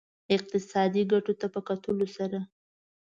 اقتصادي ګټو ته په کتلو سره.